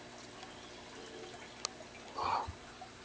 Los personajes femeninos juegan un papel importante en la novela.